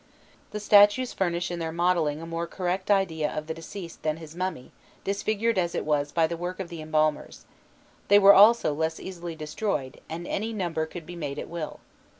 The statues furnish in their modelling a more correct idea of the deceased than his mummy, disfigured as it was by the work of the embalmers; they were also less easily destroyed, and any number could be made at will.